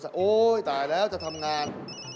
ตายแล้วนี้ต้องจะทำงาน